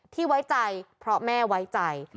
ไว้ใจเพราะแม่ไว้ใจ